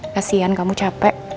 kasihan kamu capek